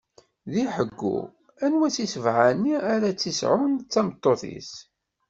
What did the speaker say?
Di ḥeggu, anwa si sebɛa-nni ara tt-isɛun d tameṭṭut-is?